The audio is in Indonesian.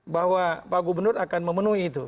bahwa pak gubernur akan memenuhi itu